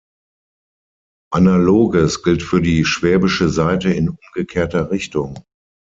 Analoges gilt für die schwäbische Seite in umgekehrter Richtung.